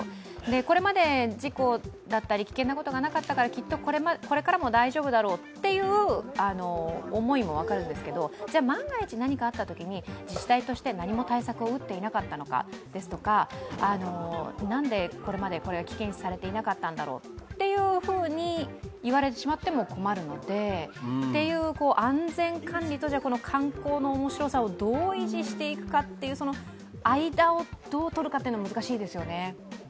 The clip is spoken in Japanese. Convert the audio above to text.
これまで事故だったり危険なことがなかったから、きっとこれからも大丈夫だろうっていう思いも分かるんですけどじゃあ、万が一何かあったときに、自治体として何も対策を打っていなかったのかですとか、なんでこれまでこれが危険視されていなかったんだろうと言われてしまっても困るのでっていう安全管理と観光の面白さをどう維持していくかという、間をどう取るかというのは難しいですよね。